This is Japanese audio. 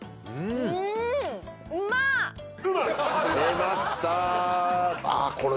出ました。